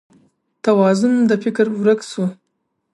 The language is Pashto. توازون د فکر ورک شو